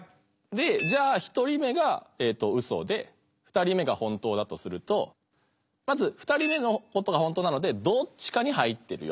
じゃあ１人目がウソで２人目が本当だとするとまず２人目のことが本当なのでどっちかに入ってるよ。